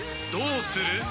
どうする？］